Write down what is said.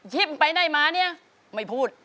พี่ภีรไปไหนมาไม่พูด